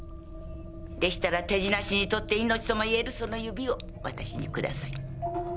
でしたら手品師にとって命とも言えるその指を私にください。